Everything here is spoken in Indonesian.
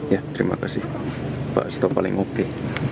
ya terima kasih pak stop paling oke